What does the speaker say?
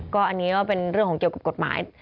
ก็อันนี้ก็เป็นเรื่องของเกี่ยวกับกฎหมาย